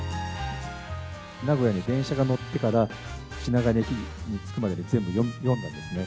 名古屋で電車に乗ってから、品川の駅に着くまでに全部読んだんですね。